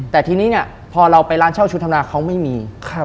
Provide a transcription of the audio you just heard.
แต่ทีนี้เนี่ยพอเราไปร้านเช่าชุดธรรมดาเขาไม่มี